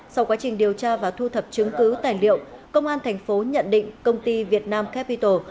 sau quá trình điều tra và thu thập chứng cứ tài liệu công an thành phố nhận định công ty việt nam capital